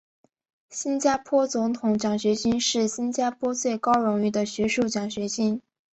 新加坡总统奖学金是新加坡最高荣誉的学术奖学金。